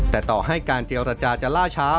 แต่ต่อให้การเจรจาจะล่าช้า